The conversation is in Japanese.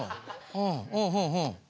うんうんうんうん。